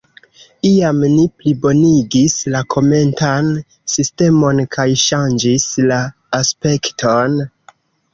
Iam ni plibonigis la komentan sistemon kaj ŝanĝis la aspekton.